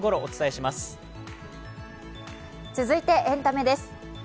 続いて、エンタメです。